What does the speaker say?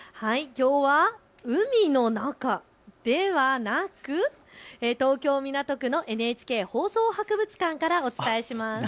きょうは海の中、ではなく、東京港区のＮＨＫ放送博物館からお伝えします。